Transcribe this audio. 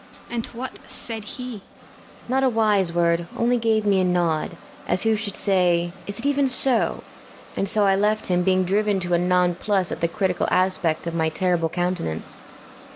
BELLAMIRA. And what said he? PILIA BORZA. Not a wise word; only gave me a nod, as who should say, "Is it even so?" and so I left him, being driven to a non plus at the critical aspect of my terrible countenance. BELLAMIRA.